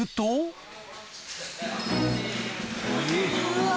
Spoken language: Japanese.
うわ！